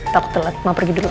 takut telat mama pergi dulu ya